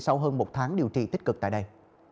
sau hơn một tháng điều trị tích cực tại đây